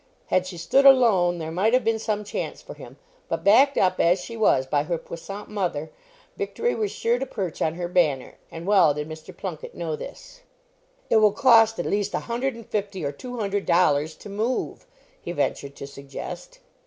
Had she stood alone, there might have been some chance for him; but backed up, as she was, by her puissant mother, victory was sure to perch on her banner; and well did Mr. Plunket know this. "It will cost at least a hundred and fifty or two hundred dollars to move," he ventured to suggest.